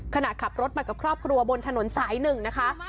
ขณะขับรถมากับครอบครัวบนถนนสาย๑นะคะ